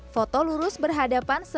foto lurus berhadapan dengan lampu